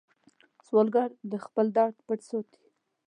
سوالګر د خپل درد پټ ساتي